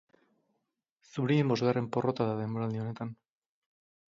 Zurien bosgarren porrota da denboraldi honetan.